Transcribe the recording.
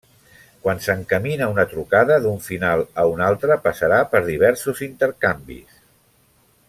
Quan s'encamina una trucada d'un final a un altre, passarà per diversos intercanvis.